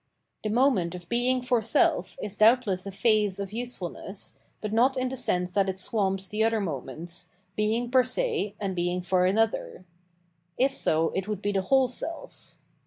The moment of being for self is doubtless a phase of usefulness, but not in the sense that it swamps the other moments, h&hig per se and being for another ; if so, it would be the whole self.